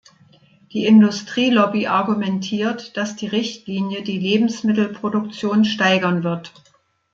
Die Industrielobby argumentiert, dass die Richtlinie die Lebensmittelproduktion steigern wird.